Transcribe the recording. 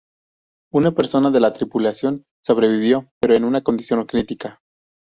Una persona de la tripulación sobrevivió pero en una condición crítica.